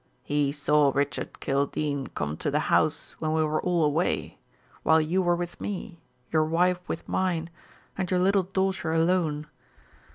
"He saw Richard Kildene come to the house when we were all away while you were with me your wife with mine, and your little daughter alone.